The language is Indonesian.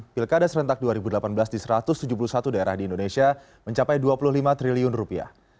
pilkada serentak dua ribu delapan belas di satu ratus tujuh puluh satu daerah di indonesia mencapai dua puluh lima triliun rupiah